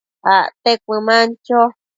acte cuëman cho